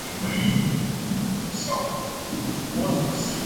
死后追赠正二位。